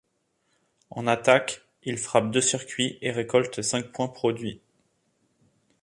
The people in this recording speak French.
En attaque, il frappe deux circuits et récolte cinq points produits.